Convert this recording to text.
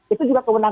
itu juga kemungkinan